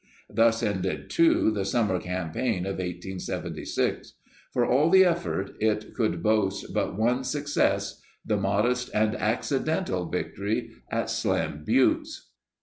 Thus ended, too, the summer campaign of 1876. For all the effort, it could boast but one success— the modest and accidental victory at Slim Buttes.